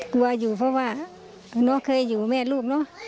กลัวอยู่เพราะว่าน้องเคยอยู่แม่ลูกเนอะ